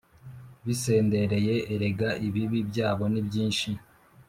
bisendereye Erega ibibi byabo ni byinshi